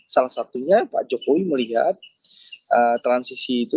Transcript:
salah satunya pak jokowi melihat transisi itu